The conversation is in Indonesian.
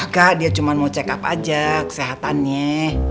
kak dia cuma mau check up aja kesehatannya